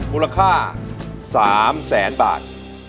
มูลค่า๓แสนบาท